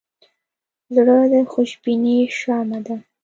زړه د خوشبینۍ شمعه ده.